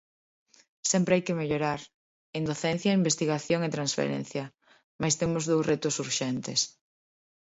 Sempre hai que mellorar en docencia, investigación e transferencia, mais temos dous retos urxentes.